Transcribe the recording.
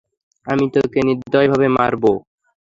আমি তোকে নির্দয়ভাবে মারব।